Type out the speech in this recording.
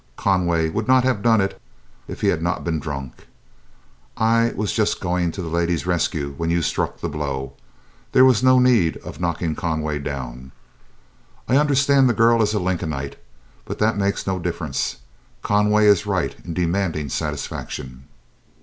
Conway would not have done it if he had not been drunk. I was just going to the lady's rescue when you struck the blow. There was no need of knocking Conway down. I understand the girl is a Lincolnite, but that makes no difference, Conway is right in demanding satisfaction."